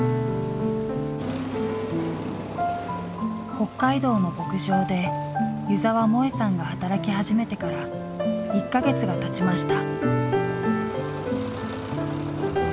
北海道の牧場で湯澤萌さんが働き始めてから１か月がたちました。